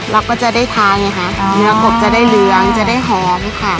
เราก็จะได้ทานไงคะเนื้อกบจะได้เหลืองจะได้หอมค่ะ